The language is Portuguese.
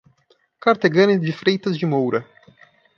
Carteggane de Freitas de Moura